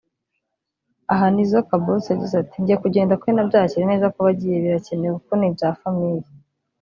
aha Nizzo Kaboss yagize ati”Njye kugenda kwe nabyakiriye neza kuba agiye birakenewe kuko ni ibya famille